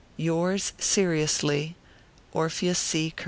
Yours, seriously, _, ORPHEUS C.